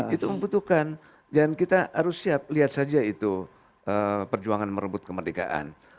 itu membutuhkan dan kita harus siap lihat saja itu perjuangan merebut kemerdekaan